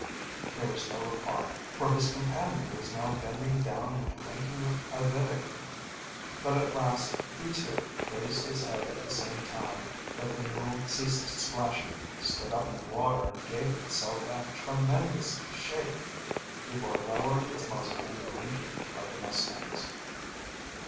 There was no reply, for his companion was now bending down and drinking with avidity. But at last he too raised his head at the same time that the mule ceased splashing, stood up in the water, and gave itself a tremendous shake, before lowering its muzzle and drinking like the mustangs.